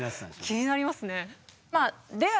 気になりますね。